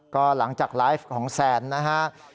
ก็หลังจากไลฟ์ของแซนนะฮะ